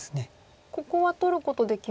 ここは取ることできましたが。